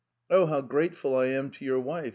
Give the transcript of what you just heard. Oh, how grateful I am to your wife